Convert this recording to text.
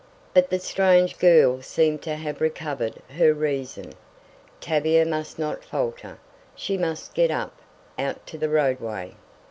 But the strange girl seemed to have recovered her reason! Tavia must not falter, she must get up, out to the roadway.